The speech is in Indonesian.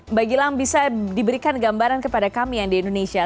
mbak gilang bisa diberikan gambaran kepada kami yang di indonesia